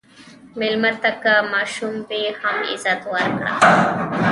مېلمه ته که ماشوم وي، هم عزت ورکړه.